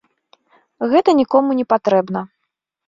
Гэта нікому не патрэбна.